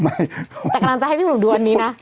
แต่กำลังจะให้พี่หนุ่มดูอันนี้นะ